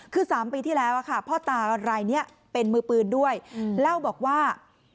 คือ๓ปีที่แล้วค่ะพ่อตารายนี้เป็นมือปืนด้วยเล่าบอกว่า